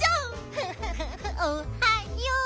フフフフおはよう。